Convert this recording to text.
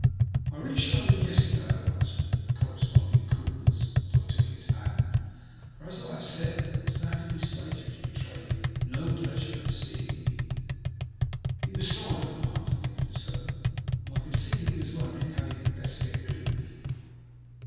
"'' I reached London yesterday/' I answered, with a corresponding coolness, as I took his hand. For, as I have said, there was that in his face which betrayed no pleasure at seeing me. He was silent for half a minute or so, and I could see that he was wondering how he could best get rid of me.